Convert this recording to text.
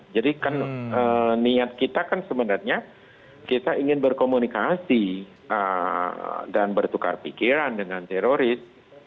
jadi kan niat kita kan sebenarnya kita ingin berkomunikasi dan bertukar pikiran dengan teroris